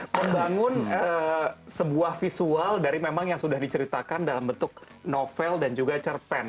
membangun sebuah visual dari memang yang sudah diceritakan dalam bentuk novel dan juga cerpen